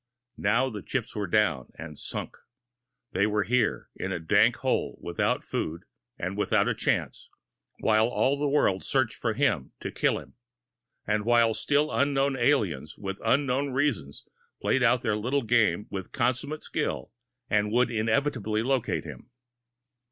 Now the chips were down, and sunk. They were here, in a dank hole, without food, and without a chance, while all the world searched for him to kill him and while still unknown aliens with unknown reasons played out their little game with consummate skill that would inevitably locate him.